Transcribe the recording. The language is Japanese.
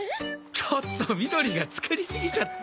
ちょっとみどりが作りすぎちゃって。